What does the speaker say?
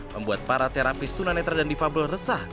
membuat para terapis tunanetra dan difabel resah